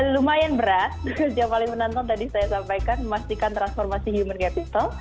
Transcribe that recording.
lumayan berat yang paling menantang tadi saya sampaikan memastikan transformasi human capital